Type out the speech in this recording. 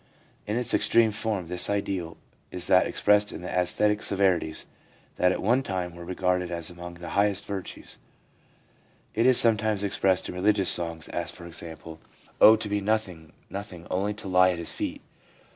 In its extreme form this ideal is that expressed in the ascetic severities that at one time were regarded as among the highest virtues. It is sometimes expressed in religious songs, as, for example :' Oh, to ADULT LIFE— MOTIVES AND PURPOSES 341 be nothing, nothing, only to lie at His feet!'